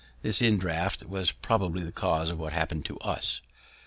This indraught was probably the cause of what happened to us.